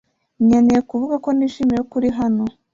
nkeneye kuvuga ko nishimiye ko uri hano.